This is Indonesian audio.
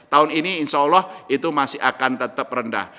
tahun ini insya allah itu masih akan tetap rendah